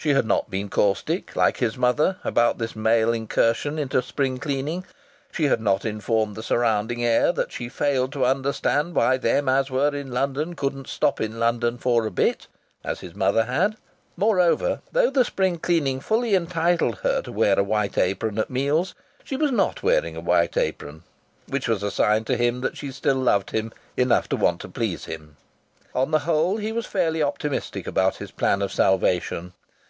She had not been caustic, like his mother, about this male incursion into spring cleaning. She had not informed the surrounding air that she failed to understand why them as were in London couldn't stop in London for a bit, as his mother had. Moreover, though the spring cleaning fully entitled her to wear a white apron at meals, she was not wearing a white apron: which was a sign to him that she still loved him enough to want to please him. On the whole he was fairly optimistic about his plan of salvation.